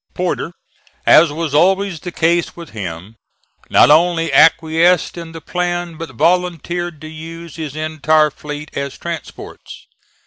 Porter, as was always the case with him, not only acquiesced in the plan, but volunteered to use his entire fleet as transports.